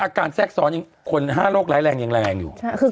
แทรกซ้อนยังคน๕โรคร้ายแรงยังแรงอยู่